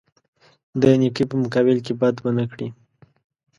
د نیکۍ په مقابل کې بد ونه کړي.